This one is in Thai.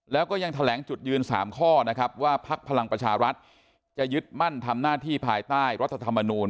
แล้วก็ยังแถลงจุดยืน๓ข้อนะครับว่าพักพลังประชารัฐจะยึดมั่นทำหน้าที่ภายใต้รัฐธรรมนูล